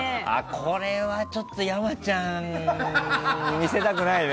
これはちょっと山ちゃんに見せたくないね。